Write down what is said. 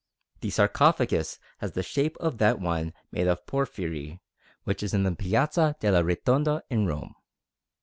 The sarcophagus has the shape of that one made of porphyry which is in the Piazza della Ritonda in Rome.